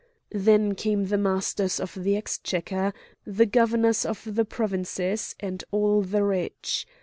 Then came the masters of the exchequer, the governors of the provinces, and all the rich.